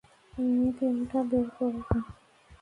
পিনটা বের করুন!